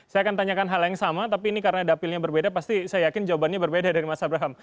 saya akan tanyakan hal yang sama tapi ini karena dapilnya berbeda pasti saya yakin jawabannya berbeda dari mas abraham